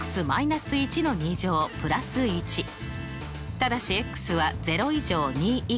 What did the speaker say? ただしは０以上２以下。